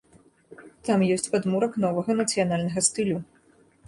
Там ёсць падмурак новага нацыянальнага стылю.